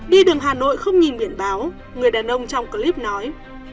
đi đường hà nội không nhìn biển báo người đàn ông trong clip nói